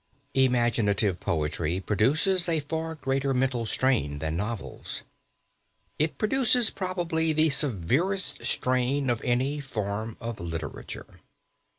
Imaginative poetry produces a far greater mental strain than novels. It produces probably the severest strain of any form of literature.